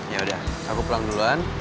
ya udah aku pulang duluan